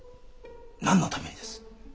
何のためにです？